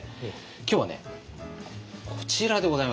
今日はねこちらでございます。